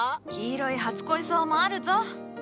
黄色い初恋草もあるぞ。